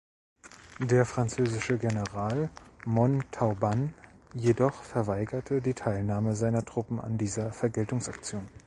Der französische General Montauban jedoch verweigerte die Teilnahme seiner Truppen an dieser Vergeltungsaktion.